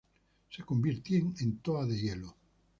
Se convierten en Toa de hielo.